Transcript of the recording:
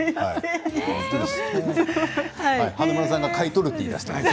華丸さんが買い取ると言いだしています。